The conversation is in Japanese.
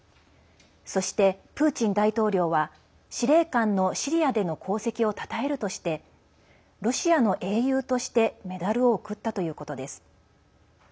そして、プーチン大統領は司令官のシリアでの功績をたたえるとしてロシアの英雄としてメダルを贈ったということです。